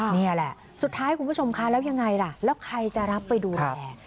นี่แหละสุดท้ายคุณผู้ชมคะแล้วยังไงล่ะแล้วใครจะรับไปดูแล